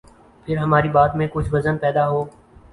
پھر ہماری بات میں کچھ وزن پیدا ہو۔